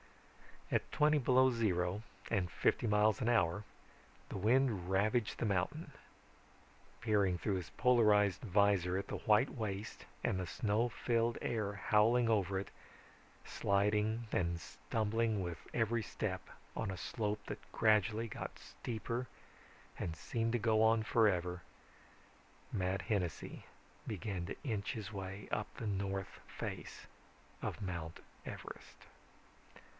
At twenty below zero and fifty miles an hour the wind ravaged the mountain. Peering through his polarized vizor at the white waste and the snow filled air howling over it, sliding and stumbling with every step on a slope that got gradually steeper and seemed to go on forever, Matt Hennessy began to inch his way up the north face of Mount Everest.